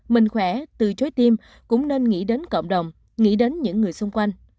mình khỏe từ chối tim cũng nên nghĩ đến cộng đồng nghĩ đến những người xung quanh